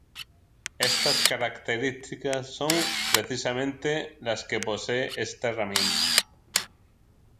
Estas características son, precisamente, las que posee esta herramienta.